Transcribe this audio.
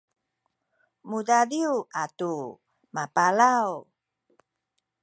mudadiw atu mapalaw